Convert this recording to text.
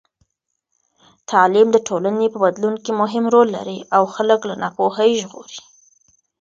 تعلیم د ټولنې په بدلون کې مهم رول لري او خلک له ناپوهۍ ژغوري.